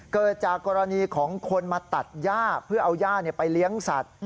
เกิดจากกรณีของคนมาตัดย่าเพื่อเอาย่าไปเลี้ยงสัตว์